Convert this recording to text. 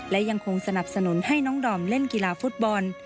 และยังคงสนับสนุนให้น้องดอมเล่นกีฬาฟุตบอล